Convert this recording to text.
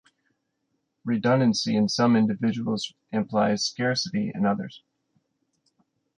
Redundancy in some individuals implies scarcity in others.